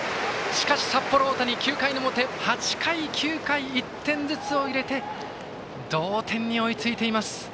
しかし札幌大谷、９回の表８回、９回と１点ずつを入れて同点に追いついています。